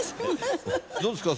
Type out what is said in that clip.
どうですか？